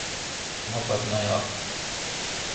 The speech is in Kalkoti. مو پت نہ یا۔